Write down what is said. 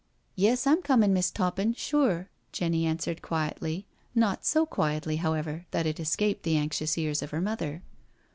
" Yes, I'm comin'. Miss* Toppin— sure," Jenny an swered quietly, not so quietly, however, that it escaped the anxious ears of her mother.